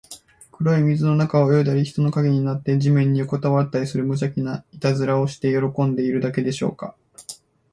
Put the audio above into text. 黒い水の中を泳いだり、人の影になって地面によこたわったりする、むじゃきないたずらをして喜んでいるだけでしょうか。